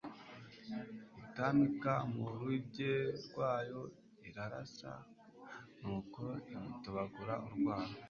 Itamika mu ruge rwayo irarasa !Nuko imutobagura urwara;